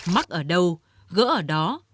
mắc ở đâu gỡ ở đó